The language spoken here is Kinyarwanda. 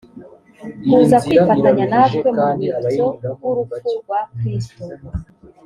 kuza kwifatanya natwe mu rwibutso rw urupfu rwa kristo